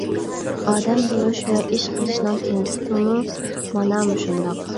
ئادەم بولۇش ۋە ئىش قىلىشنىڭ پىرىنسىپىمۇ مانا مۇشۇنداق.